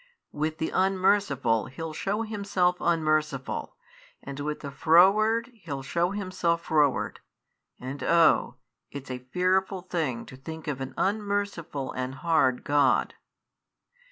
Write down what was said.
With the unmerciful He'll show Himself unmerciful, and with the froward He'll show Himself froward. And oh! it's a fearful thing to think of an unmerciful and hard God!"